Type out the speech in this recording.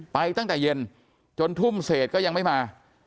ไปตั้งแต่เย็นจนทุ่มเศษก็ยังไม่มา